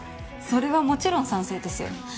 それはもちろん賛成ですよ。